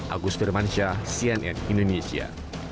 agus firmansyah cnn indonesia